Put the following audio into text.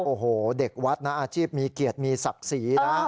โอ้โหเด็กวัดนะอาชีพมีเกียรติมีศักดิ์ศรีนะ